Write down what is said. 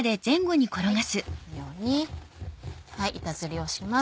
このように板ずりをします。